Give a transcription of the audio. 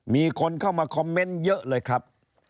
มีคนเข้ามาคอมเมนต์เยอะเลยครับ